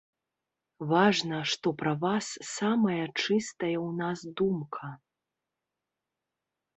Важна, што пра вас самая чыстая ў нас думка.